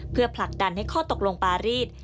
เพื่อผลักดันให้ข้อตกลงปารีส